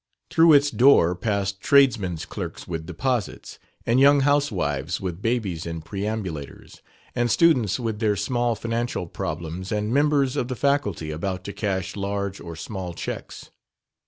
Through its door passed tradesmen's clerks with deposits, and young housewives with babies in perambulators, and students with their small financial problems, and members of the faculty about to cash large or small checks.